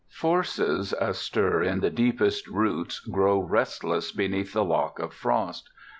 Forces astir in the deepest roots grow restless beneath the lock of frost.